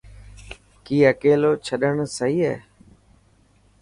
ڪي اڪيلو ڇڏڻ سهي هي؟